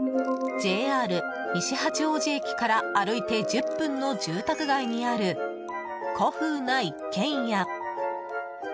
ＪＲ西八王子駅から歩いて１０分の住宅街にある古風な一軒家。